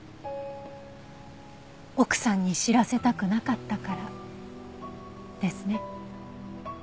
奥さんに知らせたくなかったからですね？